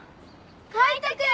海斗君！